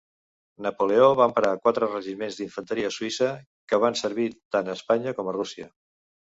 Napoleó va emprar quatre regiments d'infanteria suïssa, que van servir tant a Espanya com a Rússia.